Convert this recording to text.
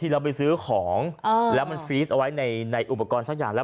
เราไปซื้อของแล้วมันฟีสเอาไว้ในอุปกรณ์สักอย่างแล้ว